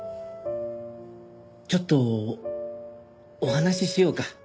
ちょっとお話しようか。